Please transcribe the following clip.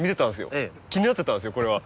気になってたんですよこれは。